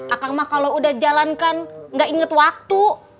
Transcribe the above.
akang mah kalau udah jalankan gak inget waktu